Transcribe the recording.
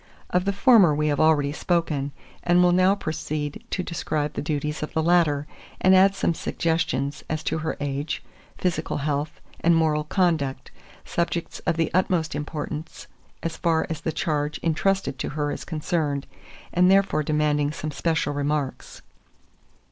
Of the former we have already spoken, and will now proceed to describe the duties of the latter, and add some suggestions as to her age, physical health, and moral conduct, subjects of the utmost importance as far as the charge intrusted to her is concerned, and therefore demanding some special remarks.